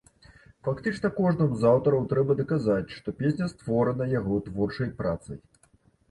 Фактычна кожнаму з аўтараў трэба даказаць, што песня створана яго творчай працай.